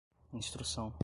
instrução